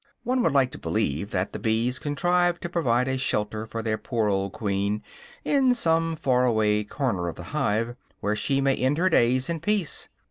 One would like to believe that the bees contrive to provide a shelter for their poor old queen, in some far away corner of the hive, where she may end her days in peace.